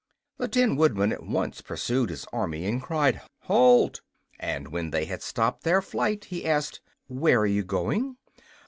The Tin Woodman at once pursued his army and cried "halt!" and when they had stopped their flight he asked: "Where are you going?"